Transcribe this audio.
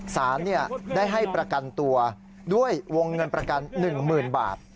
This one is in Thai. สารได้ให้ประกันตัวด้วยวงเงินประกัน๑๐๐๐บาท